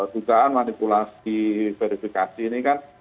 dugaan manipulasi verifikasi ini kan